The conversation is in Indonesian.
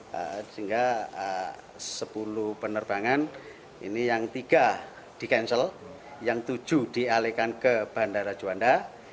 sehingga sepuluh penerbangan ini yang tiga di cancel yang tujuh dialihkan ke bandara juanda